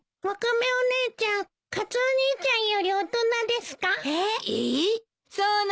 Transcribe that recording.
ワカメお姉ちゃんカツオ兄ちゃんより大人ですか？